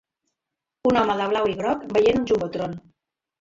Un home de blau i groc veient un jumbotron